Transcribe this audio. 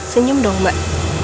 senyum dong mbak